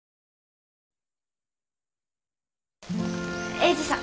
英治さん